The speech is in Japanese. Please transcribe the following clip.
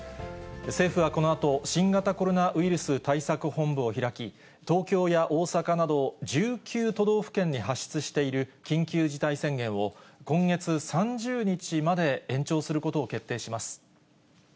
政府はこのあと、新型コロナウイルス対策本部を開き、東京や大阪など、１９都道府県に発出している緊急事態宣言を、今月３０日まで延長することを決定します。